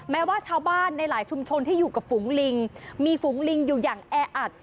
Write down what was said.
แม้ว่าชาวบ้านในหลายชุมชนที่อยู่กับฝูงลิงมีฝูงลิงอยู่อย่างแออัด